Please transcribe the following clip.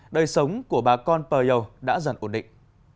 đời sống của bà con pèo đã dần ổn định